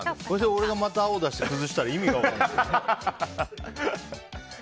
俺がまた青出して崩したら意味が分からない。